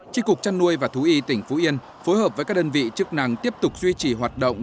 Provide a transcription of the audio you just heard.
tri cục trăn nuôi và thú y tỉnh phú yên phối hợp với các đơn vị chức năng tiếp tục duy trì hoạt động